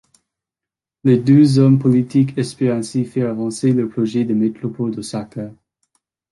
Les deux hommes politiques espèrent ainsi faire avancer leur projet de métropole d'Osaka.